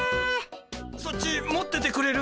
そっち持っててくれる？